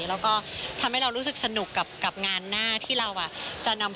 แล้วก็ทำให้เรารู้สึกสนุกกับงานหน้าที่เราจะนำเสนอลุคอะไรออกมาอีก